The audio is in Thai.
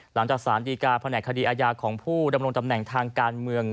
หลังจากศพภคดีอายาของผู้ดำรงจำแหน่งทางการเมือง